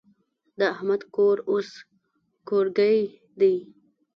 د احمد کور اوس کورګی دی.